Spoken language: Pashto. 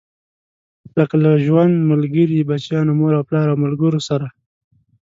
لکه له ژوند ملګري، بچيانو، مور او پلار او ملګرو سره.